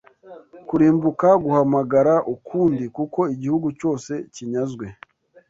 Kurimbuka guhamagara ukundi kuko igihugu cyose kinyazwe